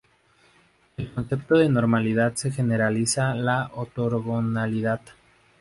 El concepto de normalidad se generaliza a ortogonalidad.